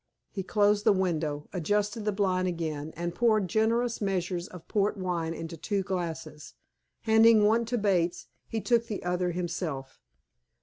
He closed the window, adjusted the blind again, and poured generous measures of port wine into two glasses. Handing one to Bates, he took the other himself.